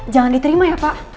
jangan diterima ya pak